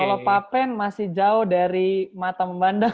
kalo pak pen masih jauh dari mata membandang